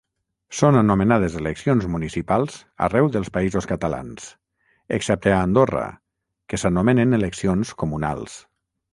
Són anomenades eleccions municipals arreu dels Països Catalans, excepte a Andorra que s'anomenen eleccions comunals.